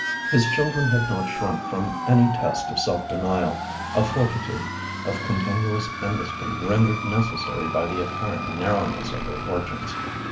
His children had not shrunk from any test of self denial, of fortitude, of continuous industry rendered necessary by the apparent narrowness of their fortunes.